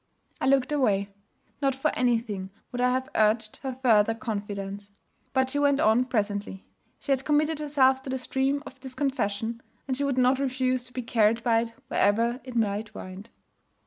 I looked away not for anything would I have urged her further confidence. But she went on presently. She had committed herself to the stream of this confession, and she would not refuse to be carried by it wherever it might wind.